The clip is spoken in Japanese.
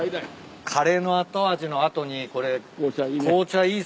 カレーの後味の後にこれ紅茶いいっすよね。